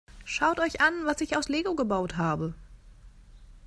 Schaut euch an, was ich aus Lego gebaut habe!